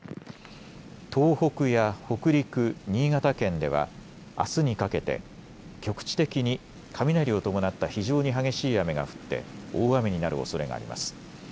東北や北陸、新潟県ではあすにかけて局地的に雷を伴った非常に激しい雨が降って大雨になるおそれがあります。